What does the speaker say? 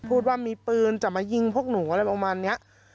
พูดว่ามีปืนจะมายิงพวกหนูอะไรประมาณนี้